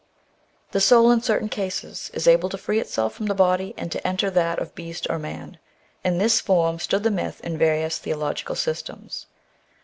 The soul, in certain cases, is able to free itself from the body and to enter that of beast or man — in this form stood the myth in various theological systems.